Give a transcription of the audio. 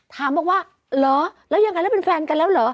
ถามบอกว่าเหรอแล้วยังไงแล้วเป็นแฟนกันแล้วเหรอ